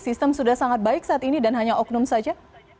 sistem sudah sangat baik saat ini dan hanya oknum saja